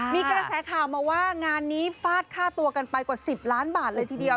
มีกระแสข่าวมาว่างานนี้ฟาดค่าตัวกันไปกว่า๑๐ล้านบาทเลยทีเดียว